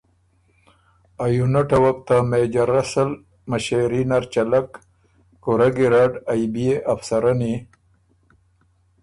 ا یونټه بو ته مېجر رسل مِݭېري نر چلک۔ کُورۀ ګیرډ ائ بئے افسرنی